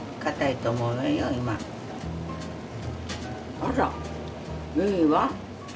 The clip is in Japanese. あらいいわ。